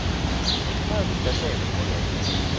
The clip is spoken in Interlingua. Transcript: Quante tempore!